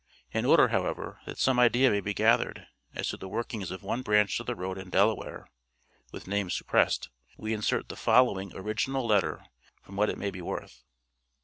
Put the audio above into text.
In order, however, that some idea may be gathered as to the workings of one branch of the road in Delaware (with names suppressed) we insert the following original letter for what it may be worth.